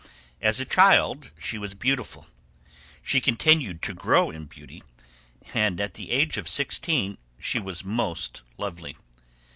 As a child she was beautiful, she continued to grow in beauty, and at the age of sixteen she was most lovely.